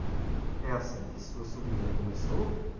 É assim que sua sobrinha começou?